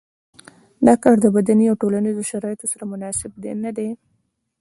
دا کار د بدني او ټولنیزو شرایطو سره مناسب نه دی.